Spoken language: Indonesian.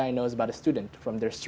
segalanya yang ai tahu tentang pelajar